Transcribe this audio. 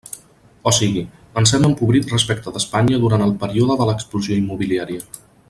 O siga, ens hem empobrit respecte d'Espanya durant el període de l'explosió immobiliària.